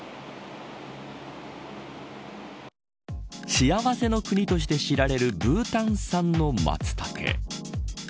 幸せの国として知られるブータン産のマツタケ。